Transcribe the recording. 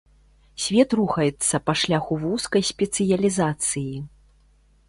Свет рухаецца па шляху вузкай спецыялізацыі.